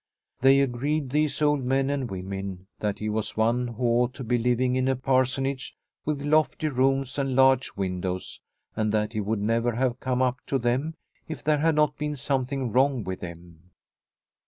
They agreed, these old men and women, that he was one who ought to be living in a parsonage with lofty rooms and large windows, and that he would never have come up to them if there had not been something wrong with him.